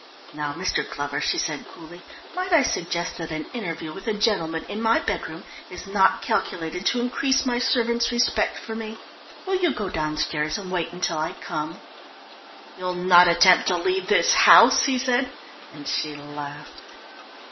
Now, Mr. Glover," she said coolly, "might I suggest that an interview with a gentleman in my bedroom is not calculated to increase my servants' respect for me? Will you go downstairs and wait until I come?" "You'll not attempt to leave this house?" he said, and she laughed.